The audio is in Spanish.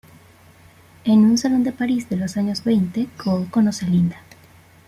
En un salón de París de los años veinte, Cole conoce a Linda.